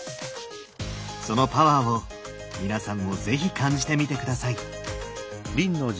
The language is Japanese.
そのパワーを皆さんも是非感じてみて下さい。